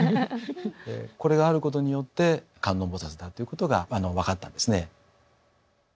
これがあることによって観音菩だっていうことが分かったんですね。